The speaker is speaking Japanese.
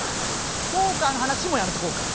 ポーカーの話もやめとこうか。